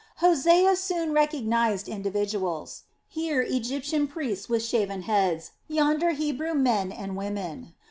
Hosea soon recognized individuals, here Egyptian priests with shaven heads, yonder Hebrew men and women.